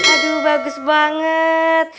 aduh bagus banget